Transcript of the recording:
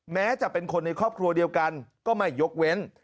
แม้จะเป็นคนในครอบครัวเดียวกันก็ไม่ยกเว้น